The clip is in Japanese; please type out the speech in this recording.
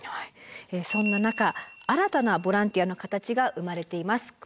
そんな中新たなボランティアの形が生まれています。